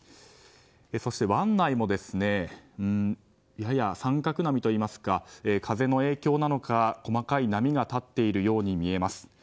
そして、湾内もやや三角波といいますか風の影響なのか細かい波が立っているように見えます。